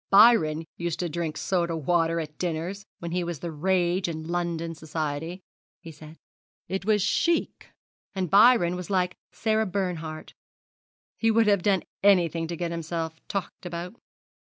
'Byron used to drink soda water at dinners when he was the rage in London society,' he said. 'It was chic, and Byron was like Sara Bernhardt he would have done anything to get himself talked about.'